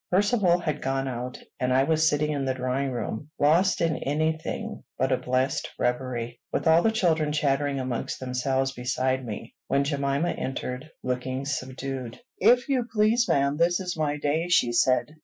Percivale had gone out; and I was sitting in the drawing room, lost in any thing but a blessed reverie, with all the children chattering amongst themselves beside me, when Jemima entered, looking subdued. "If you please, ma'am, this is my day," she said.